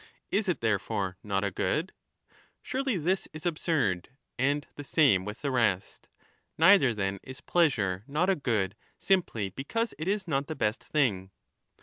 Is it, therefore, not a good ? Surely this absurd ! And the same with the rest. Neither, then, is leasure not a good simply because it is not the best thing.